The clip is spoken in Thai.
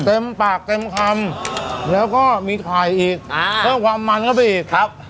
เต็มปากเต็มคำแล้วก็มีไข่อีกอ่าเพิ่มความมันเข้าไปอีกครับ